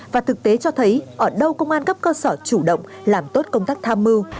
và thực tế cho thấy ở đâu công an cấp cơ sở chủ động làm tốt công tác tham mưu